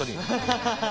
ハハハハハ！